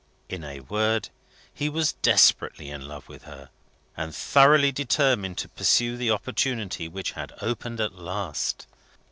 In a word, he was desperately in love with her, and thoroughly determined to pursue the opportunity which had opened at last.